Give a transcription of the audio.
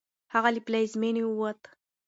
هغه له پلازمېنې ووت.